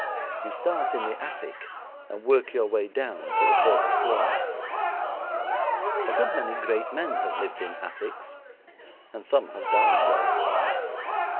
You start in the attic and work your way down to the first floor. A good many great men have lived in attics and some have died there.